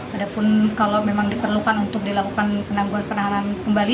padahal kalau memang diperlukan untuk dilakukan penangguhan penahanan kembali